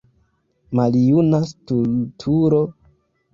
Maljuna stultulo!